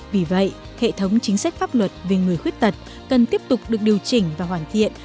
vì vậy hệ thống chính sách pháp luật về người khuyết tật cần tiếp tục được điều chỉnh và hoàn thiện